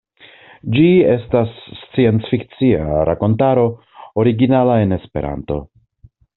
Ĝi estas sciencfikcia rakontaro, originala en esperanto.